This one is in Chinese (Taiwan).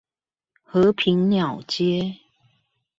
和平鳥街